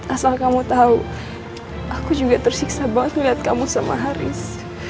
asal kamu tahu aku juga tersiksa banget ngeliat kamu sama haris